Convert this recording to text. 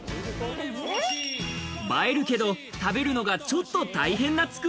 映えるけど、食べるのが、ちょっと大変な机。